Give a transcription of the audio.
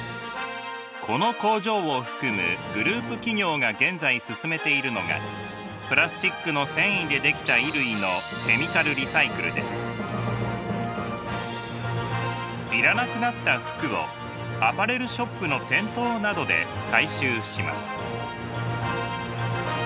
この工場を含むグループ企業が現在進めているのがプラスチックの繊維で出来たいらなくなった服をアパレルショップの店頭などで回収します。